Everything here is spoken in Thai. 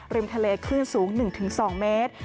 ริมทะเลคลื่นสูง๑๒เมตร